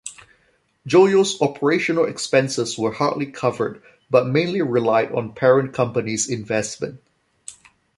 Joyo's operational expenses were hardly covered but mainly relied on parent company's investment.